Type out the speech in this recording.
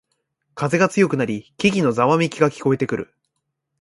風が強くなり木々のざわめきが聞こえてくる